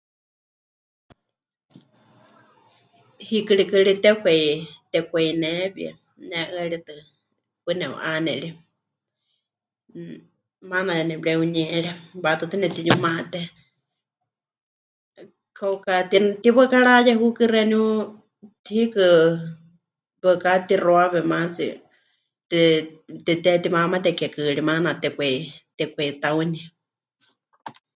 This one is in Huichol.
Hiikɨ rikɨ ri tepɨkwai... tepɨkwa'inewie, ne'ɨaritɨ paɨ nepɨ'ane ri, mmm, maana ya nepɨreuniere waʼatɨɨ́tɨ nepɨtiyumaté. Kauka ti... tiwaɨká mɨrayehukɨ xeeníu hiikɨ waɨká mɨtixuawe maatsi, te... te... temɨtehetimamatekekɨ ri maana tepɨkwai... tepɨkwa'itaunie.